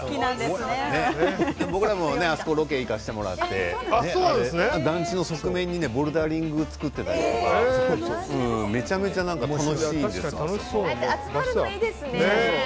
僕らもあそこロケに行かせてもらって団地の側面にボルダリングを作っていたりとか集まるのいいですね。